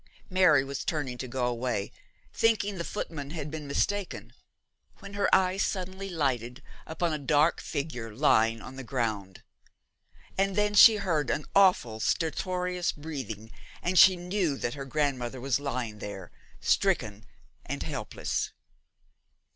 Mary was turning to go away, thinking the footman had been mistaken, when her eye suddenly lighted upon a dark figure lying on the ground. And then she heard an awful stertorous breathing, and knew that her grandmother was lying there, stricken and helpless.